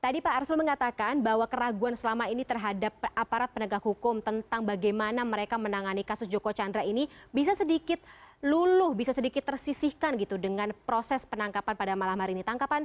tadi pak arsul mengatakan bahwa keraguan selama ini terhadap aparat penegak hukum tentang bagaimana mereka menangani kasus joko chandra ini bisa sedikit luluh bisa sedikit tersisihkan gitu dengan proses penangkapan pada malam hari ini